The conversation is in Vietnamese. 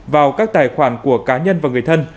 vào các tài khoản của cá nhân và người thân